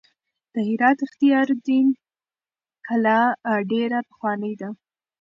د هرات اختیار الدین کلا ډېره پخوانۍ ده.